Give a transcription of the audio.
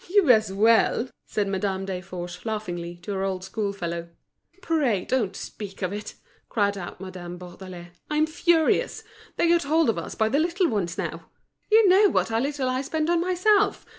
"You as well!" said Madame Desforges, laughingly, to her old school fellow. "Pray, don't speak of it!" cried out Madame Bourdelais. "I'm furious. They get hold of us by the little ones now! You know what a little I spend on myself!